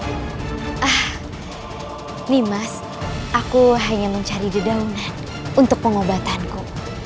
ini mas aku hanya mencari jedang untuk pengobatanku